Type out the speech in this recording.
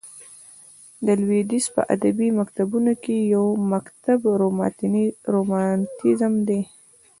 د لوېدیځ په ادبي مکتبونو کښي یو مکتب رومانتیزم دئ.